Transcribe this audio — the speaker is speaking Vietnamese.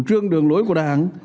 chủ trương đường lối của đảng